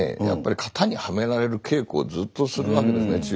やっぱり型にはめられる稽古をずっとするわけですね。